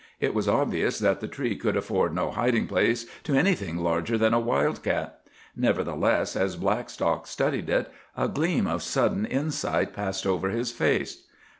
It was obvious that the tree could afford no hiding place to anything larger than a wild cat. Nevertheless, as Blackstock studied it, a gleam of sudden insight passed over his face.